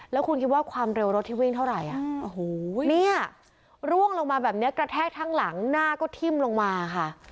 แล้วคุณคิดว่าความเร็วรถที่วิ่งเท่าไหร่เนี่ยร่วงลงมาแบบนี้กระแทกทั้งหลังหน้าก็ทิ้มลงมาค่ะ